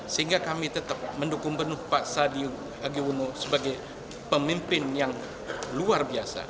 sehingga kami tetap mendukung benuh pak sadi agi uno sebagai pemimpin yang luar biasa